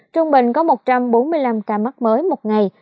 trung bình có một trăm bốn mươi năm ca mắc mới một ngày